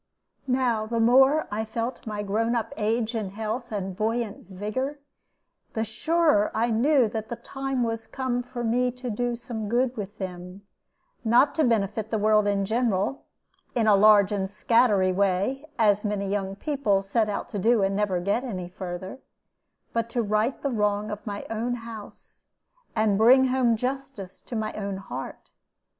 Now the more I felt my grown up age and health and buoyant vigor, the surer I knew that the time was come for me to do some good with them; not to benefit the world in general, in a large and scattery way (as many young people set out to do, and never get any further), but to right the wrong of my own house, and bring home justice to my own heart.